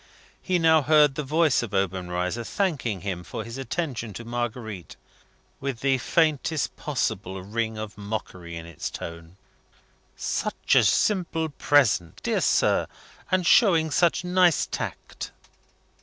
He now heard the voice of Obenreizer thanking him for his attention to Marguerite, with the faintest possible ring of mockery in its tone. ("Such a simple present, dear sir! and showing such nice tact!")